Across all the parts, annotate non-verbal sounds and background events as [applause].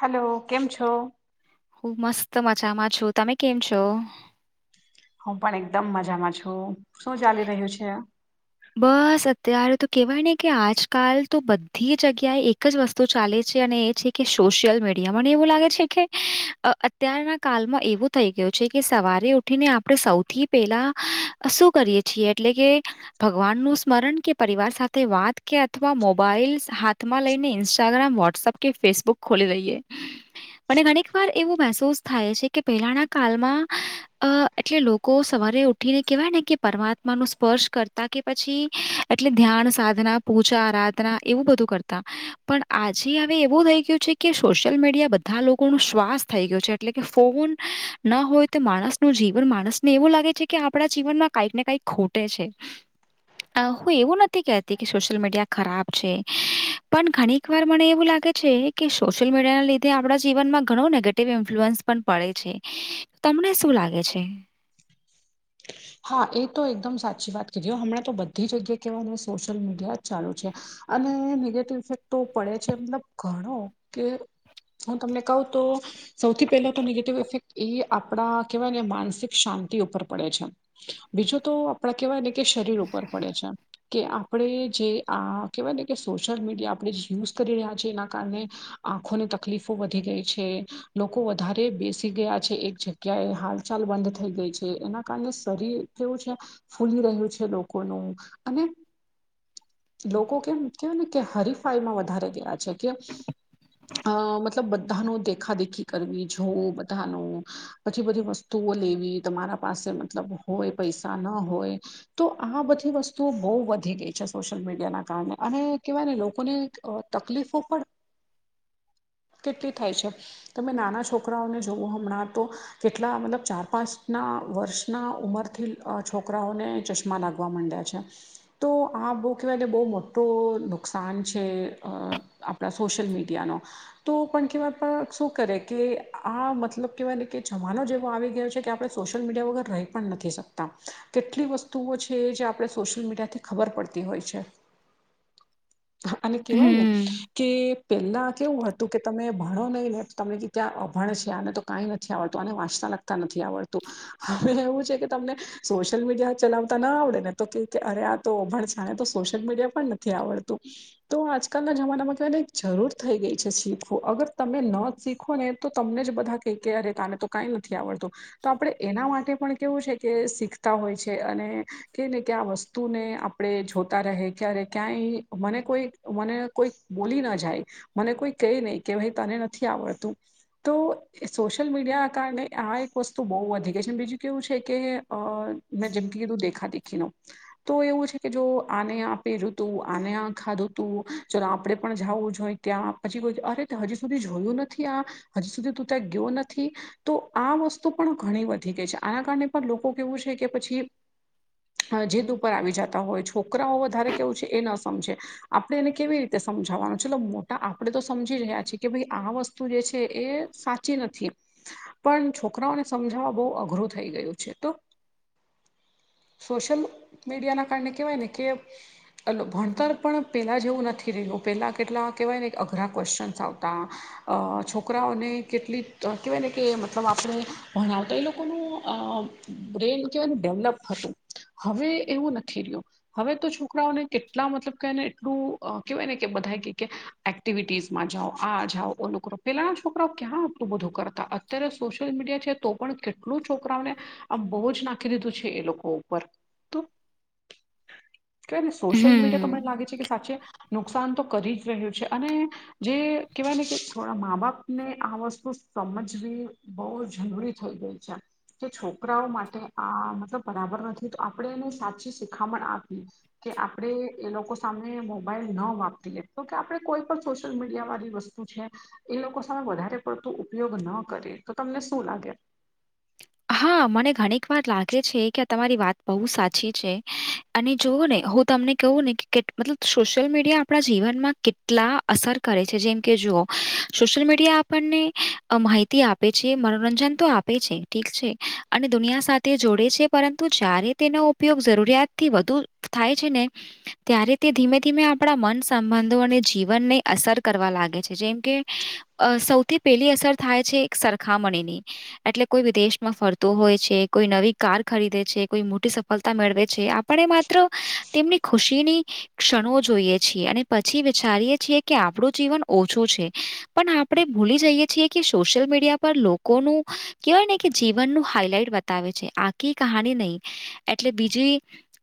Hello કેમ છો હું મસ્ત મજામાં છું તમે કેમ છો હું પણ એકદમ મજામાં છું શું ચાલી રહ્યું છે? બસ અત્યારે તો કેવાય ને કે આજકાલ તો બધી જગ્યાએ એક જ વસ્તુ ચાલે છે. અને એ છે કે સોશિયલ મીડિયા મને એવું લાગે છે કે અત્યારના કાલમાં એવું થઈ ગયું છે કે સવારે ઉઠીને આપણે સૌથી પેલા શું કરીએ છીએ. એટલે કે ભગવાન નું સ્મરણ કે પરિવાર સાથે વાત કે અથવા મોબાઈલ હાથમાં લઈને ઇન્સ્ટાગ્રામ, વોટ્સઅપ કે ફેસબુક ખોલી દઈએ. મને ઘણીક વાર એવું મહેસૂસ થાય છે કે પહેલાના કાલમાં અ એટલે લોકો સવારે ઉઠીને કેવાય ને કે પરમાત્મા ન સ્પર્શ કર તા કે પછી એટલે ધ્યાન, સાધના, પૂજા, આરાધના એવું બધું કરતા. પણ આજે અવે એવું થઈ ગયું છે કે સોશિયલ મીડિયા બધા લોકો ન શ્વાસ થઈ ગયું છે. એટલે કે ફોન ના હોય તો માણસનું જીવન માણસને એવું લાગે છે કે આપણા જીવનમાં કયાક ને કાય ખુટે છે. હું એવું નથી કહેતી કે સોશિયલ મીડિયા ખરાબ છે. પણ ઘણીક વાર મને એવું લાગે છે કે સોશિયલ મીડિયા ના લીધે આપણા જીવનમાં ઘણું નેગેટિવ ઇન્ફ્લુઅન્સ પણ પડે છે. તમને શું લાગે છે? હા એ તો એકદમ સાચી વાત કીધી. હમણાં તો બધી જગ્યાએ કેવા સોશિયલ મીડિયા જ ચાલુ છે. અને નેગેટિવ ઇફેક્ટ તો પડે છે. મતલબ ઘણો કે હું તમને કવ તો સૌથી પહેલા તો નેગેટિવ ઇફેક્ટ એ આપણા કહેવાય ને માનસિક શાંતિ ઉપર પડે છે. બીજું તો આપડા કેવાય ને કે શરીર ઉપર પડે છે. કે આપણે જે આ કહેવાય ને કે સોશિયલ મીડિયા આપણે જે યુઝ કરી રહ્યા છે. એના કારણે આંખોની તકલીફો વધી ગઈ છે. લોકો વધારે બેસી ગયા છે. એક જગ્યા ક્યાય હાલચાલ બંધ થઈ ગઈ છે. એના કારણે શરીર કેવું છે. ફૂલી રહ્યું છે લોકોનું. અને લોકો કેમ કેવાય ને કે હરીફાઈમાં વધારે ગયા છે. કે અ મતલબ બધાનો દેખા દેખી કરવી જોવ બધાનું પછી બધી વસ્તુઓ લેવી તમારા પાસે મતલબ હોય પૈસા ન હોય. તો આ બધી વસ્તુઓ બઉ વધી ગઈ છે. સોશિયલ મીડિયાના કારણે અને કહેવાય ને લોકોને તકલીફો પણ કેટલી થાય છે. તમે નાના છોકરાઓને જોવઓ હમણાં તો કેટલા મતલબ ચાર પાંચ ના વર્ષના ઉમરથી છોકરાઓને ચશ માં માગવા માંડ્યા છે. તો આ બહુ કહેવાય બહુ મોટું નુકસાન છે. આપણા સોશિયલ મીડિયાનો તો પણ કહેવાય પણ શું કરે કે આ મતલબ કેવાય કે જમાનો જેવો આવી ગયો છે કે આપણે સોશિયલ મીડિયા વગર રહી પણ નથી શકતા. કેટલી વસ્તુઓ છે જે આપણે સોશિયલ મીડિયાથી ખબર પડતી હોય છે. [inaudible] અને કેહેવાય ને હમ્મ, કે પેલા કેવું હતું કે તમે ભણો નહીં ને તમને કે ત્યાં અભણ છે. આને તો કંઈ નથી આવડતું. આને વાંચતા લગતા નથી આવડતું. હવે એવું છે કે તમને સોશિયલ મીડિયા ચલાવતા ના આવડે ને તો કે અરે તો અભણ સાને તો સોશિયલ મીડિયા પણ નથી આવડતું. તો આજકાલના જમાનામાં તો એને જરૂર થઈ ગઈ શીખું અગર તમે ન શીખો ને તો તમને જ બધા કેયકે અરે તને તો કંઈ નથી આવડતું. તો આપણે એના માટે પણ કેવું છે કે શીખતા હોય છે અને કે ને કે વસ્તુને આપણે જોતા રહે ક્યારે ક્યાંય મને કોઈ મને કોઈ બોલી ના જાય મને કોઈ કેય નહી કે ભાઈ તને નથી આવડતું. તો એ સોશિયલ મીડિયા કારણે આ એક વસ્તુ બહુ વધી ગઈ છે અને બીજું કેવું છે કે અ મેં જિમ કીધું દેખા દેખી નુ તો એવું છે કે જો આને આ પહેર્યું હતું આને આ ખાધું તું ચલો આપડે પણ જાવું જોઈ ત્યાં પછી કોઈ અરે ત હજી સુધી જોયું નથી આ હજી સુધી તું ત્યાં ગયો નથી તો આ વસ્તુ પણ ઘણી વધી ગઈ છે આના કારણે પણ લોકો કેવું છે કે પછી જીદ ઉપર આવી જતા હોય છોકરાઓ વધારે કેવું છે એ ન સમજે આપણે એને કેવી રીતે સમજાવાનું છેલો મોટા આપડણે તો સમજી રહ્યા છીએ કે ભાઈ આ વસ્તુ વસ્તુ જે છે એ સાચી નથી પણ છોકરાઓને સમજાવવા બહુ અઘરું થઈ ગયું છે તો સોશિયલ મીડિયાના કારણે કહેવાય ને કે અલો ભણતર પણ પહેલાં જેવું નથી રહ્યું પહેલાં કેટલા કહેવાય ને એક અઘરા ક્વેશ્ચનસ આવતા અ છોકરાઓને કેટલી કહેવાય ને કે મતલબ આપણે ભણાવતા એ લોકોનું અ બ્રેન કેવાય ડેવલપ હતું હવે એવું નથી રહ્યું હવે તો છોકરાઓને કેટલા મતલબ કેવાય ને એટલું કેહેવાય ને કે બધા કે એક્ટિવિટીઝ માં જાઓ આ જાઓ ઓ નકરો પેલા આ છોકરાઓ ક્યાં આપતું બધું કર તો અંતર્યરે સોશિલ મીડિયા છે તો પણ કેટલું છોકરાઓને આમ બહુ જ નાખી દીધું છે એ લોકો ઉપર તો હ કેવાય ને સોશિયલ મીડિયા તો મને લાગે છે કે સાચે નુકસાન તો કરી જ રહ્યું છે અને જે કહેવાય ને કે થોડા મા બાપને આ વસ્તુ સમજવી બહુ જરૂરી થઈ ગઈ છે કે છોકરાઓ માટે આ મતલબ બરાબર નથી તો આપણે એને સાચી શીખામણ આપીએ કે આપણેે એ લોકો સામે મોબાઈલ ના વાપતી લે તો કે આપડે કોઈ પણ સોશિયલ મીડિયા વાળી વસ્તુ છે એ લોકો સામે વધારે પડતું ઉપયોગ ન કરી તો તમને શું લાગે હા મને ઘણીક વાર લાગે છે કે તમારી વાત બહુ સાચી છે અને જોઓ ને હું તમને કહવું ને કે મતલબ સોશિયલ મીડિયા આપણા જીવનમાં કે કેટલા અસર કરે છે જેમ કે જુઓ સોશિલ મીડિયા આપણને માહિતી આપે આપે છે મનોરંજન તો આપે છે ઠીક છે અને દુનિયા સાથે જોડે છે પરંતુ જ્યારે તેનો ઉપયોગ જરૂરિયાતથી વધુ થાય છે ને ત્યારે તે ધીમે ધીમે આપણા મન સંબંધો અને જીવનને અસર કરવા લાગે છે જેમ કે અ સૌથી પેલી અસર થાય છે એક સરખામણીની એટલે કોઈ વિદેશમાં ફરતો હોય છે કોઈ નવી કાર ખરીદે છે કોઈ મોટી સફળતા મેળવે છે આપણે એમાં તેમની ખુશીની ક્ષણો જોઈએ છીએ અને પછી વિચારીએ છીએ કે આપણું જીવન ઓછું છે પણ આપણે ભૂલી જઈએ છીએ કે સોશિયલ મીડિયા પર લોકોનું કહેવાય ને કે જીવનનું હાઈલાઈટ બતાવે છે આખી કહાણી નહી એટલે બીજી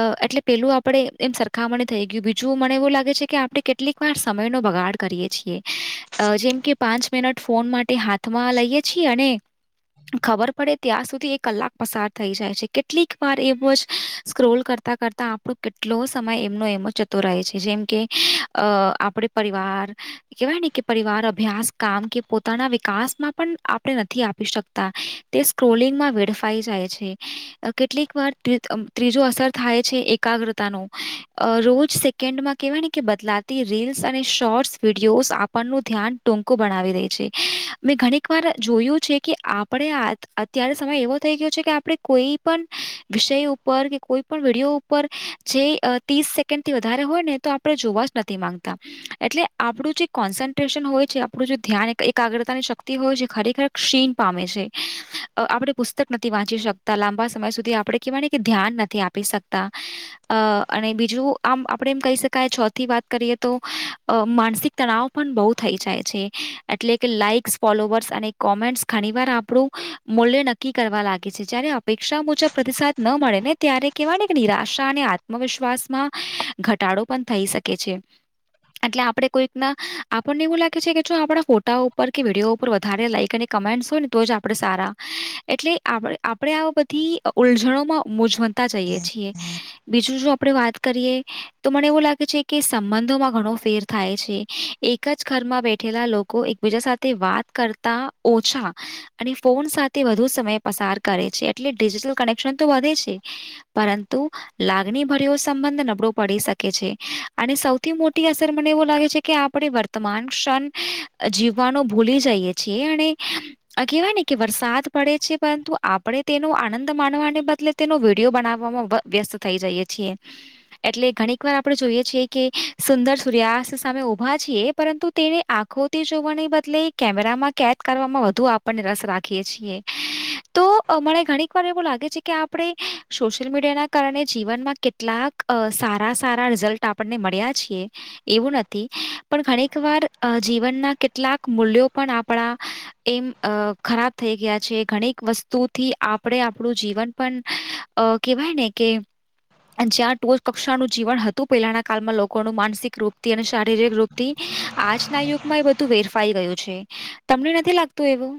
અ એટલે પેલું આપ આપડે એમ સરખામણી થઈ ગયું બીજું મને એવું લાગે છે કે આપડણે કેટલીક વાર સમય નો બગાડ કરીએ છીએ અ જેમ કે પાંચ મિનટ ફોન માટે હાથમાં લઈએ છીએ અને ખબર પડે ત્યાં સુધી એક કલાક પસાર થઈ જાય છે કેટલીક વાર એવો જ સ્ક્રોલ કરતાં કરતા આપણો કેટલો સમય એમનો એમ જતો રહે છે જેમ કે અ આપડે પરિવાર કેવાય ને કે પરિવાર અભ્યાસ કામ કે પોતાના વિકાસમાં પણ આપણે નથી આપી શક તા સ્ક્રોલિંગમાં વેડફાઈ જાય છે. કેટલીક વાર ટ્રી ત્રીજો અસર થાય છે એકાગ્રતા ન રોજ ન્ડમાં કહેવા કે બદલાતી રીલ્સ અને શોર્ટ્સ વિડીયોસ આપણનું ધ્યાન ટોકુ બનાવી દે છે મેં ઘણીક વાર જોયું છે કે આ આપણે અત્યારે સમય એવો થઈ ગયો છે કે આપણે કોઈ પણ વિષય ઉપર કે કોઈ પણ વિડયો ઉપર જે ત્રીસ સેકન્ડ થી વધારે હોય ને તો આપણે જોવા જ નથી માંગતા. એટલે આપણું જે કોન્સન્ટ્રેશન હોય છે આપણું જે ધ્યાન એકાગ્રતાની શક્તિ હોય છે ખરેખર ક્ષીણ પામે છે. આપણે પુસ્તક નથી વાંચી શકતા લાંબા સમય સુધી આપણે કહેવાની કે ધ્યાન નથી આપી શકતા. અ અને બીજું આમ આપણે એમ કહી શકાય છો થી વાત કરીએ તો માનસિક તણાવ પણ બહુ થઈ જાય છે એટલે કે લાાઈક્સ ફોલોવર્સ અને કોમેન્ટસ ઘણીવાર મુલ્ય નક્કી કરવા લાગે છે જયારે અપેક્ષા મુજબ પ્રતિસાદ ન મળે ને ત્યારે કેવાની નિરાશા અને આત્મવિશ્વાસમાં ઘટાડો પણ થઈ શકે છે. એટલે આપડે કોઈક ના આપણને એવું લાગે છે કે જો આપણા ફોટા ઉપર કે વિડીયો ઉપર વધારે લાઈક અને કૉમેન્ટ્સ હોય ને તો જ આપણે સારા એટલે આપણે આ બધી ઉલ્ઝાલો માં મુ મલતા તા જઈએ છીએ બીજું જો આપણે વાત કરીએ તો મને એવું લાગે છે કે સંબંધોમાં ઘણો ફેર થાય છે એક જ ઘરમાં બેઠેલા લો એકબીજા સાથે વાત કરતા ઓછા અને ફોન સાથે વધુ સમય પસાર કરે છે એટલે ડિજિટલ કનેક્શન તો વધે છે. પરંતુ લાગણી ભર્યો સંબંધ નબળો પડી શકે છે અને સૌ સૌથી મોટી અસર મને એવું લાગે છે કે આપણે વર્તમાન ક્ષણ જીવવાનો ભૂલી જઈએ. [unintelligible] આ કહેવાય ને કે વરસાદ પડે છે પરંતુ આપણે તેનો આનંદ માનવાને બદલે તેનો વિડીિયો બનાવવામાં વ્યસ્ત થઈ જઈએ છીએ. એટલે ઘણીક વાર આપણે જોઈએ છીએ કે સુંદર સૂર્યાસ્ત સામે ઉભા છીએ પરંતુ. તેને આખોતી જોવાણી બદલે કેમેરા માં કેદ કરવામાં વધુ આપ આપને રસ રાખીએ છીએ. તો મને ઘણીક વાર એવું લાગે છે કે આપણે સોશિયલ મીડિયાના કારણે જીવનમાં કેટલાક. અ સારા સારા રિઝલ્ટ આપણને મળ્યા છીએ. એવું નથી પણ ઘણીક વાર જીવનના કેટલાક મૂલ્યો પણ આપણા એમ અ ખરાબ થઈ ગયા છે ઘણીક વસ્તુથી આપણે આપણું જીવન પણ અ કહેવાય ને કે. જ્યાં ટોચ કક્ષાનું જીવન હતું પહેલાના કાળમાં લોકોનું માનસિક રૂપથી અને શારીરિક રૂપ આજના યુગમાં એ બધું વેરફાઈ ગયું છે તમને નથી લાગતું એવું?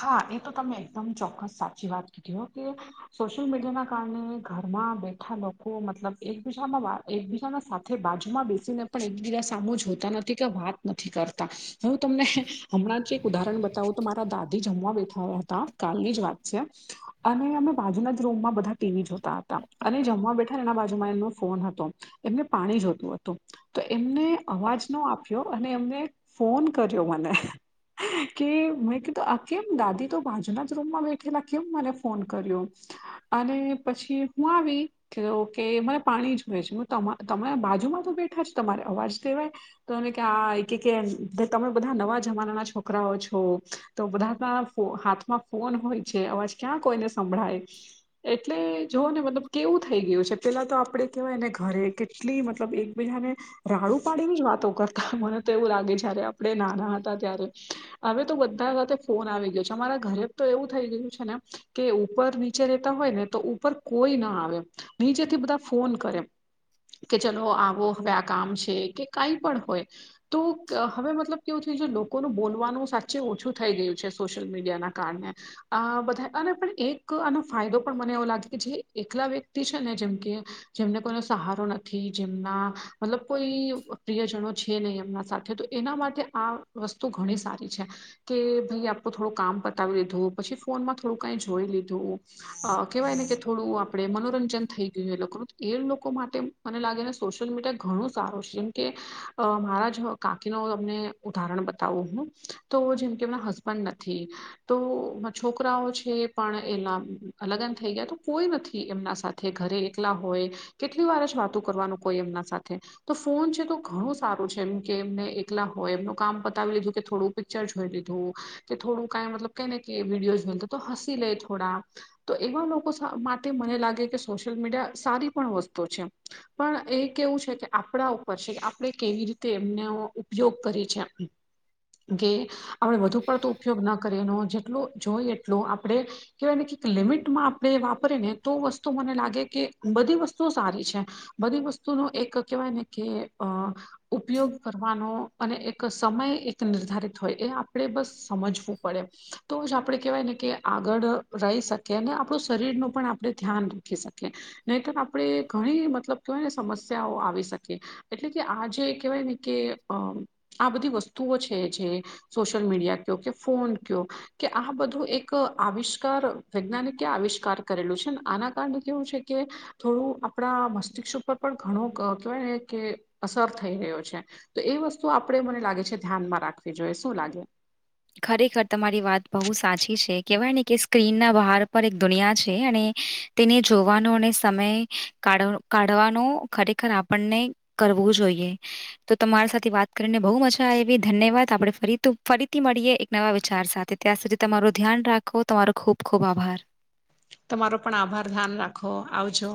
હા એ તો તમે એકદમ ચોક્કસ સાચી વાત કીધ હા. સોશિયલ મીડિયા ના કારણે ઘરમાં બેઠા લોકો મતલબ એકબીજામાં વ એકબીજાના સાથે બાજુમાં બેસીને પણ એકબીજા સામું જોતા નથી કે વાત નથી કરતા. હું તમને હમણાં જ એક ઉદાહરણ બતાવું તો મારા દા તે જમવા બેઠા હતા કાલની જ વાત છે. અને અમે બાજુના જ રૂમમાં બધા ટીવી જોતા હતા અને જમવા બેઠા એના બાજુમાં એમનો ફોન હતો. એમને પાણી જોતું હતું. તો એમને અવાજ ન આપ્યો અને એમને ફોન કર્યો મને. કે મેં કેમ. તો આ કેમ દાદી તો બાજુના જ રૂમમાં બેઠેલા કેમ મને ફોન કર્યો. અને પછી હું આવી. કે કે મરે પાણી જુએ છે હ તમે બાજુમાં તો બેઠા છે તમારે અવાજ કહેવાય. તો એમને કા તમે બધા નવા જમાનાના છોકરાઓ છો. તો બધા હાથમાં ફોન હોય છે અવાજ ક્યાં કોઈને સંભળાય. એટલે જોઓ ને મતલબ કેવું થઈ ગયું છે પેલા તો આપડે કેહેવાયને ઘરે કેટલી મતલબ. બીજાને રાડુ પાડીની જ વાતો કરતા મને તો એવું લાગે જયારે આપણે નાના હતા ત્યારે. હવે તો બધા. ફોન આવી ગયો છે અમારા ઘરે તો એવું થઈ ગયું છે ને કે ઉપર નીચે રેતા હોય ને તો ઉપર. કોઈ ના આવે નીચેથી બધા ફોન કરે. કે ચલો આવો હવે આ કામ છે કે કઈ પણ હોય. તો હવે મતલબ કેવું થયું છે લોકોનું બોલવાનું સાચે ઓછું. થઈ ગયું છે સોશિયલ મીડિયાના કારણે. આ બધા અને પણ એક આનો ફાયદો પણ મને એવો લાગે કે જે એકલા વ્યક્તિ છે ને જેમ કે. જેમને કોઈનો સહારો નથી જેમના મતલબ કોઈ પ્રિયજનો છે નહીં એમના સાથે. તો એના માટે આ વસ્તુ ઘણી સારી છે. કે ભાઈ આપું થોડું કામ બતાવી લીધું પછી ફોનમાં થોડું કઈ જોઈ લીધું. અ કહેવાય ને કે થોડું આપડે મનોરંજન થઈ ગયું એટલે ખરું એ લોકો માટે. મને લાગે ને સોશિયલ મીડિયા ઘણું સારું છે જેમ કે મારા જ કાંકીનો તમને. ઉદાહરણ બતાવું હું તો જેમ કે એમના હસબન્ડ નથી. તો છોકરાઓ છે પણ એા અલગન થઈ ગયા તો કોઈ નથી એમના સાથે. ઘરે એકલા હોય કેટલી વાર જ વાતું કરવાનું કોઈ એમના સાથે. તો ફોન છે તો ઘણું સારું છે એમ કે એમને એકલા હોય એમનું કામ પતાવી લીધું કે થોડું પિક્ચર જોઈ લીધું. થોડું કઈ મતલબ કઈને વિડયોઝ બ તો હસી લે થોડા. તો એવા લોકો માટે મને લાગે કે સોશિયલ મીડિયા સારી પણ વસ્તુ છે. પણ એ કેવું છે કે આપણા ઉપર છે કે આપણે કેવી રીતે એમનો ઉપયોગ કરી છે. કે આપણે વધુ પડતો ઉપયોગ ના કરીએનો જેટલો જોઈ એટલો આપણેે. કેવાયને કઈક લિમિટમાં આપણે વાપરી ને તો વસ્તુ મને લાગે કે બધી વસ્તુઓ સારી છે. બધી વસ્તુનો એક કેહેવાય ને કે અ. ઉપયોગ કરવાનો અને એક સમય એક નિર્ધારિત હોય એ. આપણે બસ સમજવું પડે. તો જ આપણે કહેવાય ને કે આગળ રહી શકીએ અને આપણું શરીર ન પણ આપણે ધ્યાન રાખી શકીએ. નહીટ આપણે ઘણી મતલબ કેવાય ને સમસ્યાઓ આવી શકી. એટલે કે આ જે કેહેવાય ને કે અ આ બધી વસ્તુઓ છે જે સોશલ મીડિયા ક કે ફોન ક. કે આ બધું એક આવિષ્કાર વૈજ્ઞાનિકે આવિષ્કાર કરેલું છે ને આના કારણે કેવું છે કે. થોડું આપણા મસ્તિષ્ક ઉપર પણ ઘણું કેવાય ને કે અસર થઈ રહ્યો છે. તો એ વસ્તુ આપણેે મને લાગે છે ધ્યાનમાં રાખવી જોઈએ શું લાગે. ખરેખર તમારી વાત બહુ સાચી છે કેહેવાય ને કે સ્ક્રીન ના બહાર પર એક દુનિયા છે અને તેને જોવાનો અને સમય કા કાઢવાનો ખરેખર આપણને. કરવું જોઈએ તો તમારી સાથે વાત કરીને બહુ મજા આવી ધન્યવાદ આપણે ફરી ફરી. મળીએ એક નવા વિચાર સાથે ત્યાં સુધી તમારું ધ્યાન રાખો તમારો ખૂબ ખૂબ આભાર. તમારો પણ આભાર ધ્યાન રાખો આવજો.